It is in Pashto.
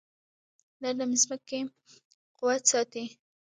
دا د ځمکې قوت ساتي.